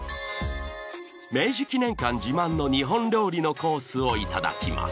明治記念館自慢の日本料理のコースをいただきます。